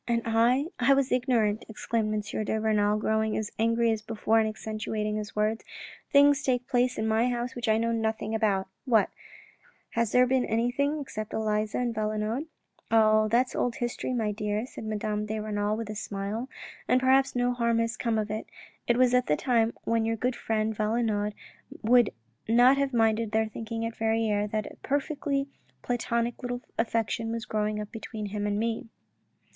" And I — I was ignorant," exclaimed M. de Renal, growing as angry as before and accentuating his words. " Things take place in my house which I know nothing about. ... What ! has there been anything between Elisa and Valenod ?"" Oh, that's old history, my dear," said Madame de Renal with a smile, "and perhaps no harm has come of it. It was at the time when your good friend Valenod would not have minded their thinking at Verrieres that a perfectly platonic little affection was growing up between him and me."